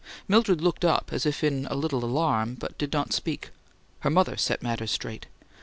Mildred looked up, as if in a little alarm, but did not speak. Her mother set matters straight.